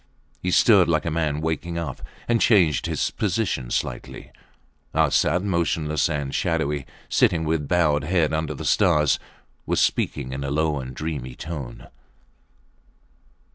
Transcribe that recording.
He stirred like a man waking up and changed his position slightly. Arsat, motionless and shadowy, sitting with bowed head under the stars, was speaking in a low and dreamy tone